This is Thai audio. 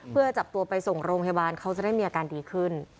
เพื่อจับตัวไปส่งโรงพยาบาลเขาจะได้มีอาการดีขึ้น